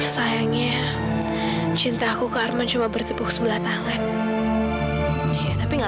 sampai jumpa di video selanjutnya